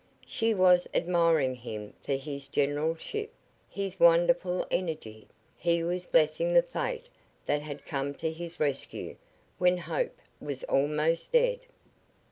She was admiring him for his generalship, his wonderful energy; he was blessing the fate that had come to his rescue when hope was almost dead.